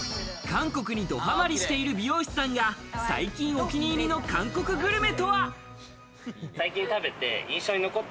韓国にドハマりしている美容師さんが最近お気に入りの韓国グルメとは。